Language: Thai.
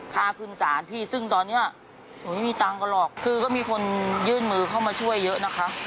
ค่าขึ้นศาลพี่ซึ่งตอนเนี้ยหนูไม่มีตังค์กันหรอกคือก็มีคนยื่นมือเข้ามาช่วยเยอะนะคะ